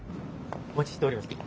お待ちしておりました。